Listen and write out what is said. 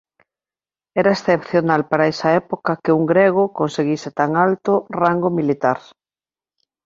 Era excepcional para esa época que un grego conseguise tan alto rango militar.